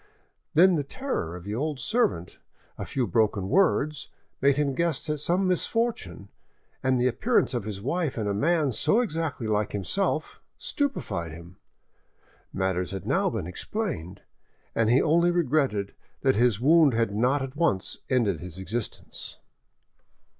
Then the terror of the old servant, a few broken words, made him guess at some misfortune, and the appearance of his wife and of a man so exactly like himself stupefied him. Matters had now been explained, and he only regretted that his wound had not at once ended his existence.